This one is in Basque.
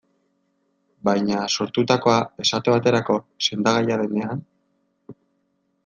Baina, sortutakoa, esate baterako, sendagaia denean?